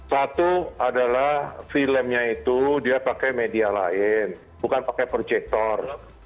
satu adalah filmnya itu dia pakai media lain bukan pakai projector